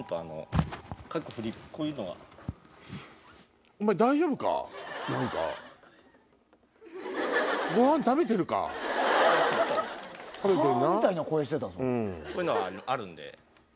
こういうのがあるんで。